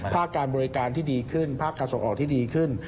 ภาคการบริการที่ดีขึ้นภาคการส่งออกที่ดีขึ้น